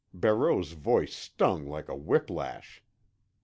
Barreau's voice stung like a whip lash.